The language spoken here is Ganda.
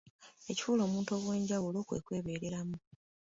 Ekifuula omuntu ow’enjawulo kwe kwebeereramu.